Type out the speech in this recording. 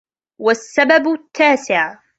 وَالسَّبَبُ التَّاسِعُ